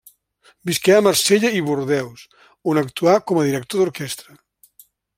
Visqué a Marsella i Bordeus, on actuà com a director d'orquestra.